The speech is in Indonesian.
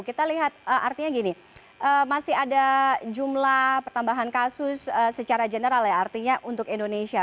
kita lihat artinya gini masih ada jumlah pertambahan kasus secara general ya artinya untuk indonesia